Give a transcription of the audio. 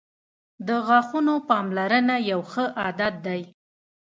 • د غاښونو پاملرنه یو ښه عادت دی.